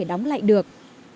có thể đóng lại được